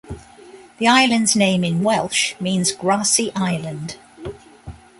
The island's name in Welsh means "Grassy Island".